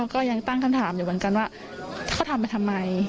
ก็ยังตั้งคำถามอยู่เหมือนกันว่าเขาทำไปทำไม